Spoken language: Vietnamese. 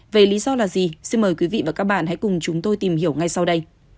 về lý do là gì xin mời quý vị và các bạn hãy cùng chúng tôi tìm hiểu ngay sau đây